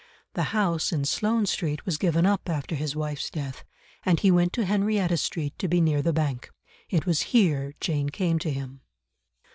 The house in Sloane Street was given up after his wife's death, and he went to Henrietta Street to be near the bank. It was here Jane came to him.